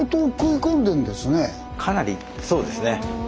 かなりそうですね。